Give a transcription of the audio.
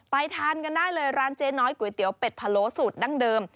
ทานกันได้เลยร้านเจ๊น้อยก๋วยเตี๋ยเป็ดพะโลสูตรดั้งเดิม